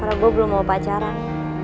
karena gue belum mau pacaran